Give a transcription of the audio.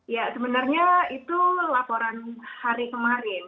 ya sebenarnya itu laporan hari kemarin